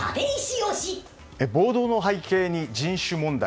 暴動の背景に人種問題。